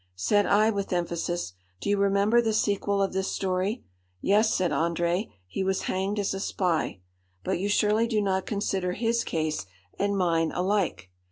Said I, with emphasis, 'Do you remember the sequel of this story?' 'Yes,' said André, 'he was hanged as a spy. But you surely do not consider his case and mine alike?